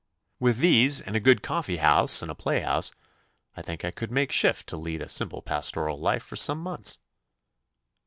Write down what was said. With these and a good coffee house and a playhouse, I think I could make shift to lead a simple pastoral life for some months.